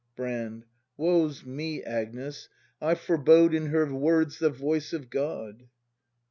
Brand. Woe's me, Agnes — I forbode In her words the voice of God.